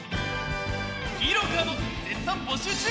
ヒーローカード絶賛募集中！